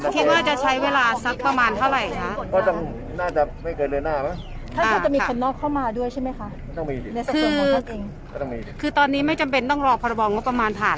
แต่ก็ควรตัดสินเสร็จในขั้นตอนไหนมันต้องมีการ